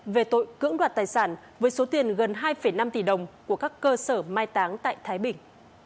về tội cưỡng đoạt tài sản với số tiền gần hai năm tỷ đồng của các cơ sở mai táng tại thái bình